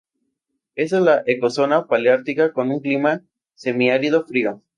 Está en la ecozona Paleártica, con un clima semiárido frío.